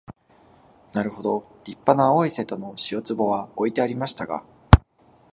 なるほど立派な青い瀬戸の塩壺は置いてありましたが、